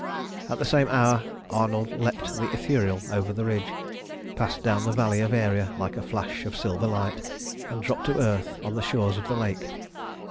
At the same hour Arnold leapt the Ithuriel over the Ridge, passed down the valley of Aeria like a flash of silver light, and dropped to earth on the shores of the lake.